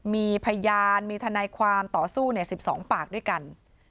มีพยานมีทนายความต่อสู้๑๒ปากด้วยกัน